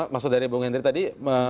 masud dari bung hendri tadi